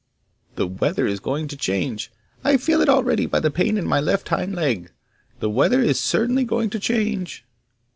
The weather is going to change; I feel it already by the pain in my left hind leg; the weather is certainly going to change.